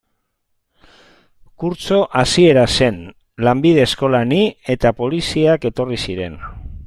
Kurtso hasiera zen, lanbide eskolan ni, eta poliziak etorri ziren.